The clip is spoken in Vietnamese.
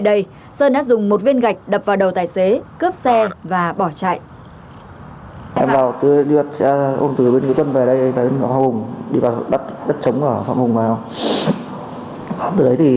dùng một viên gạch đập vào đầu tài xế cướp xe và bỏ chạy